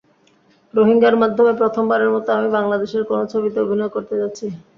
রোহিঙ্গার মাধ্যমে প্রথমবারের মতো আমি বাংলাদেশের কোনো ছবিতে অভিনয় করতে যাচ্ছি।